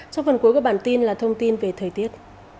trong phần cuối của bản tin là thông tin về thời tiết